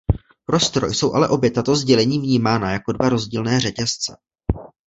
Pro stroj jsou ale obě tato sdělení vnímána jako dva rozdílné řetězce.